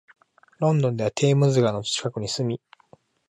ロンドンではテームズ川の近くに住み、